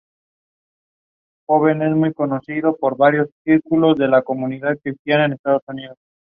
Al oeste se encuentra el Taunus.